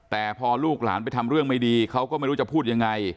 แต่พอลูกหลานไปทำเรื่องไม่ดีเขาก็ไม่รู้จะพูดยังไง